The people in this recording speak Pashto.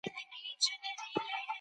هیڅ خوراک تلپاتې نه وي.